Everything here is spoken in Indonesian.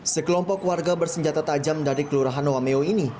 sekelompok warga bersenjata tajam dari kelurahan noameo ini